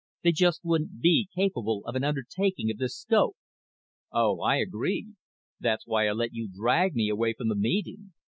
They just wouldn't be capable of an undertaking of this scope." "Oh, I agree. That's why I let you drag me away from the meeting.